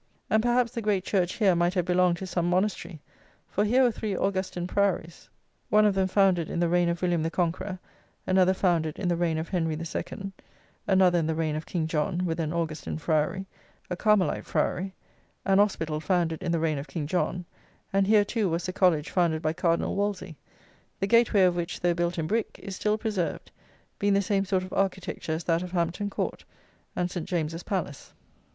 And, perhaps, the great church here might have belonged to some monastery; for here were three Augustine priories, one of them founded in the reign of William the Conqueror, another founded in the reign of Henry the Second, another in the reign of King John, with an Augustine friary, a Carmelite friary, an hospital founded in the reign of King John; and here, too, was the college founded by Cardinal Wolsey, the gateway of which, though built in brick, is still preserved, being the same sort of architecture as that of Hampton Court, and St. James's Palace.